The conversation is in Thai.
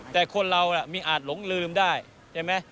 แต่คนเราอ่ะมีอาจหลงลืมได้เห็นไหม